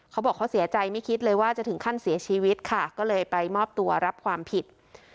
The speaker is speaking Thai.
เขาบอกเขาเสียใจไม่คิดเลยว่าจะถึงขั้นเสียชีวิตค่ะก็เลยไปมอบตัวรับความผิด